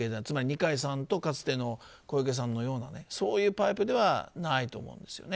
つまり、二階さんとかつての小池さんのようなそういうパイプではないと思います。